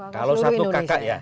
kalau satu kakak ya